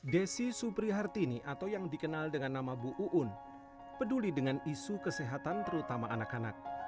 desi suprihartini atau yang dikenal dengan nama bu uun peduli dengan isu kesehatan terutama anak anak